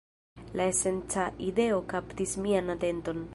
La esenca ideo kaptis mian atenton